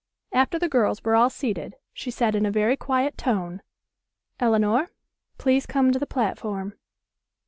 After the girls were all seated she said in a very quiet tone: "Elinor, please come to the platform."